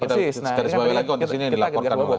sekali lagi konteks ini yang dilaporkan